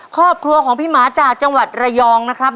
ครอบครัวของพี่หมาจากจังหวัดระยองนะครับ